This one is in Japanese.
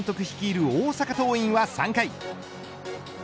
率いる大阪桐蔭は３回。